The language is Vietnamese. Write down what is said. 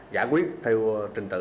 giải quyết theo trình tự